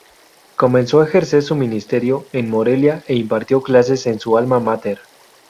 Comenzó a ejercer su ministerio en Morelia e impartió clases en su alma máter.